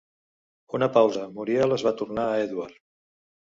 Una pausa-Muriel es va tornar a Edward.